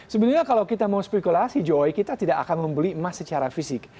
sebenarnya kalau kita mau spekulasi joy kita tidak akan membeli emas secara fisik